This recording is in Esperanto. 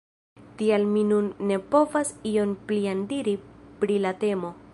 Tial mi nun ne povas ion plian diri pri la temo.